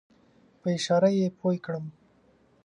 په اشاره یې پوی کړم.